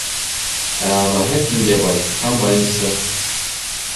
Ә ағаһы Кинйәбай -комбайнсы.